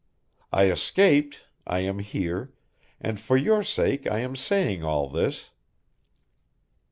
I escaped, I am here, and for your sake I am saying all this.